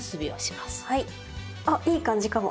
あっいい感じかも。